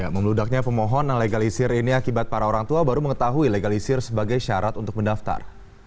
membludaknya pemohon dan legalisir ini akibat para orang tua baru mengetahui legalisir sebagai syarat untuk mendaftar